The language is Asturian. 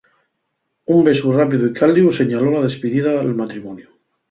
Un besu rápidu y caldiu señaló la despidida'l matrimoniu.